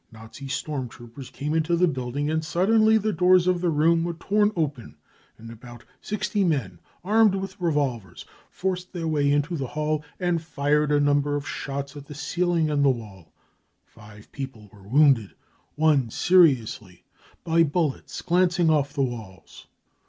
Nazi storm troopers came into the building, and sud denly the doors of the room were tom open and about sixty men, armed with revolvers, forced their way into the hall and fired a number of shots at the ceiling and the wall. Five people were wounded, one seriously, by bullets glancing off the walls.